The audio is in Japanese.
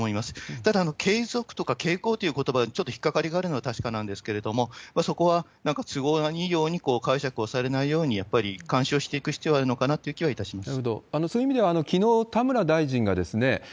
ただ、継続とか傾向ということばはちょっと引っ掛かりがあるのは確かなんですけれども、そこはなんか都合のいいように解釈をされないように、やっぱり監視をしていく必要があるのかなという気はいたします。